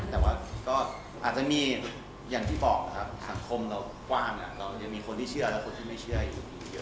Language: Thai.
แต่ว่าก็อาจจะมีอย่างที่บอกครับสังคมเรากว้างเรายังมีคนที่เชื่อและคนที่ไม่เชื่ออยู่เยอะ